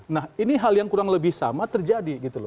nah ini hal yang kurang lebih sama terjadi